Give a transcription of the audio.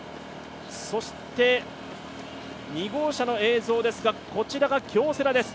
そして２号車の映像ですが、こちらが京セラです。